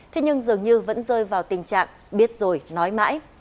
thế nhưng dường như vẫn rơi vào tình trạng biết rồi nói mãi